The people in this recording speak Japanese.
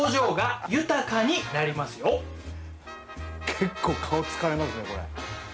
結構顔疲れますねこれ。